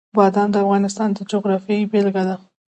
بادام د افغانستان د جغرافیې بېلګه ده.